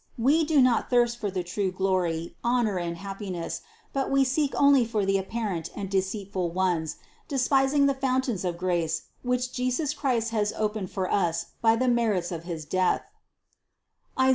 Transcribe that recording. We do not thirst for the true glory, honor and happiness, but we seek only for the apparent and deceitful ones, despising the fountains of grace, which Jesus Christ has opened for us by the merits of his Death (Is.